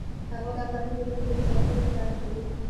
هغوی دا کارونه د نورو د تیروتلو لپاره کوي